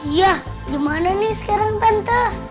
iya gimana nih sekarang bantah